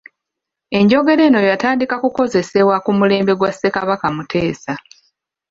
Enjogera eno yatandika kukozesebwa ku mulembe gwa Ssekabaka Muteesa.